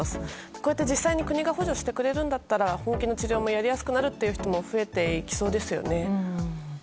こうやって、実際に国が補助してくれるんだったら本気の治療もやりやすくなるという人も増えていきそうですよね。